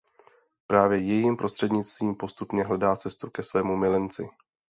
Právě jejím prostřednictvím postupně hledá cestu ke svému milenci.